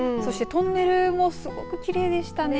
トンネルもすごくきれいでしたね。